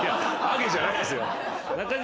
アゲじゃないんですよ。